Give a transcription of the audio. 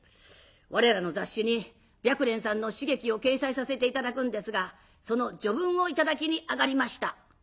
我らの雑誌に白蓮さんの詩劇を掲載させて頂くんですがその序文を頂きに上がりました」。